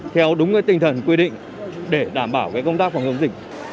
theo đúng cái tinh thần quy định để đảm bảo cái công tác phòng chống dịch